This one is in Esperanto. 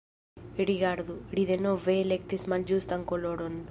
"Rigardu, ri denove elektis malĝustan koloron!"